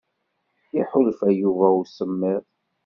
Iḥulfa Yuba i usemmiḍ.